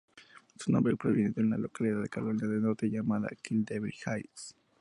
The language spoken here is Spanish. Su nombre proviene de una localidad de Carolina del Norte llamada Kill Devil Hills.